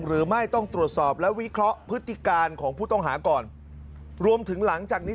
หรือไม่ต้องตรวจสอบและวิเคราะห์พฤติการของผู้ต้องหาก่อนรวมถึงหลังจากนี้